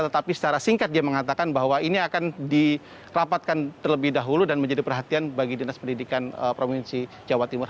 tetapi secara singkat dia mengatakan bahwa ini akan dirapatkan terlebih dahulu dan menjadi perhatian bagi dinas pendidikan provinsi jawa timur